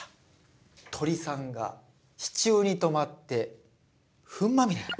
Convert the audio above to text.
鳥さんが支柱にとまって糞まみれ。